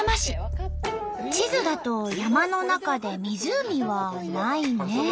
地図だと山の中で湖はないねえ。